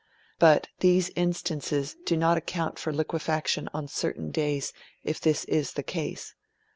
But these instances do not account for liquefaction on certain days, if this is the case.